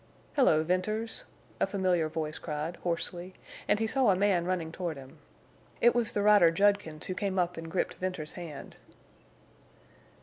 "Hello, Venters!" a familiar voice cried, hoarsely, and he saw a man running toward him. It was the rider Judkins who came up and gripped Venters's hand.